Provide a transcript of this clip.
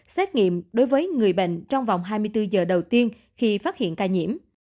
xét nghiệm đối với người bệnh trong vòng hai mươi bốn giờ đầu tiên khi phát hiện ca nhiễm